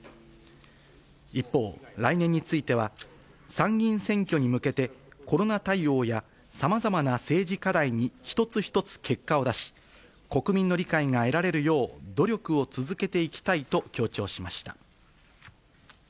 一方、来年については、参議院選挙に向けて、コロナ対応や、さまざまな政治課題に一つ一つ結果を出し、国民の理解が得られるよう、努力を続けていきたいと強調しました。